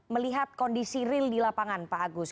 melihat kondisi real di lapangan pak agus